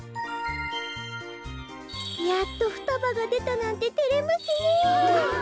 やっとふたばがでたなんててれますねえ。